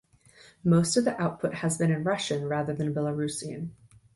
Most of the output has been in Russian rather than Belarusian.